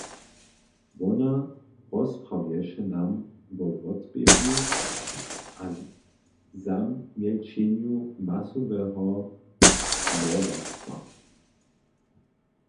Wona rozprawješe nam wo wotběhu a zamjelčenju masoweho mordarstwa.